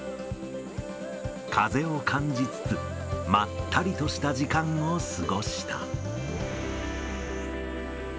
風を感じつつ、まったりとした時間を過ごした。